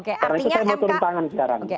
karena itu saya butuhkan tangan sekarang